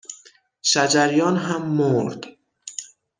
شجریان هم مرد